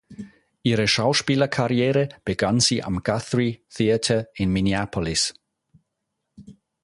Ihre Schauspielerkarriere begann sie am Guthrie Theater in Minneapolis.